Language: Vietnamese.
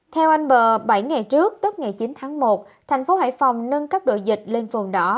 theo anh bờ bảy ngày trước tức ngày chín tháng một thành phố hải phòng nâng cấp đội dịch lên vườn đỏ